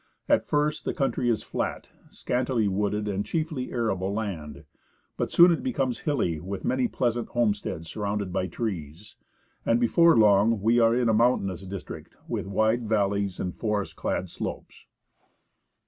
At first the country is flat, scantily wooded. NEW YORK, FROM THE HARBOUR. and chiefly arable land, but it soon becomes hilly, with many pleasant homesteads surrounded by trees, and before long we are in a mountainous district, with wide valleys and forest clad slopes.